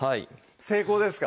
成功ですか？